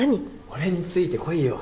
俺についてこいよ。